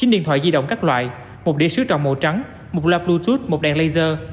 chín điện thoại di động các loại một đĩa sứ tròn màu trắng một loa bluetooth một đèn laser